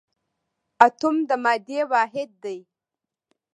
اتوم د مادې واحد دی